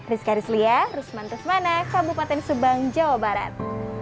rizka rizlia rizman rizmana kabupaten subang jawa barat